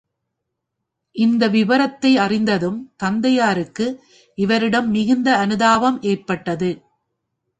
இந்த விபரத்தை அறிந்ததும் தந்தையாருக்கு இவரிடம் மிகுந்த அனுதாபம் ஏற்பட்டது.